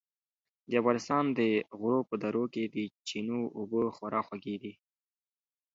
د افغانستان د غرو په درو کې د چینو اوبه خورا خوږې دي.